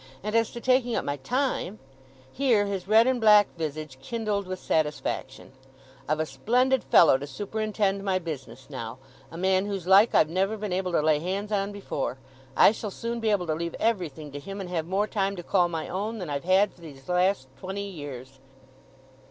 And as to taking up my time"—here his red and black visage kindled with satisfaction—"I've a splendid fellow to superintend my business now—a man whose like I've never been able to lay hands on before. I shall soon be able to leave everything to him, and have more time to call my own than I've had for these last twenty years."